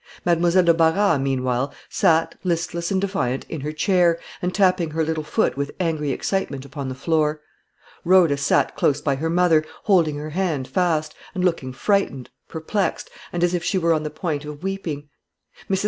Mademoiselle de Barras, meanwhile, sate, listless and defiant, in her chair, and tapping her little foot with angry excitement upon the floor. Rhoda sate close by her mother, holding her hand fast, and looking frightened, perplexed, and as if she were on the point of weeping. Mrs.